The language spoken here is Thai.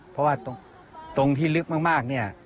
เพราะว่าตรงที่ลึกมากเนี่ย